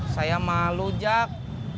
saya malu jak